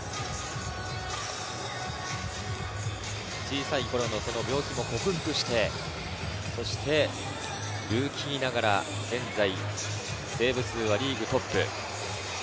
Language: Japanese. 小さい頃の病気を克服して、そしてルーキーながら、現在セーブ数はリーグトップ。